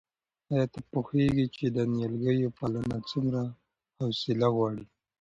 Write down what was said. آیا ته پوهېږې چې د نیالګیو پالنه څومره حوصله غواړي؟